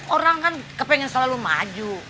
orang kan kepengen selalu maju